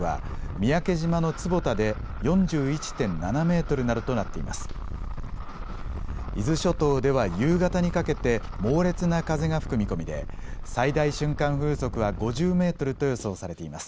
伊豆諸島では夕方にかけて猛烈な風が吹く見込みで最大瞬間風速は５０メートルと予想されています。